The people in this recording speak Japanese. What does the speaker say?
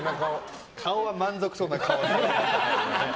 顔は満足そうな顔。